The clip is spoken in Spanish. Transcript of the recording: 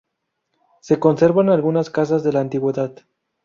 Se conservan algunas casas de la antigüedad.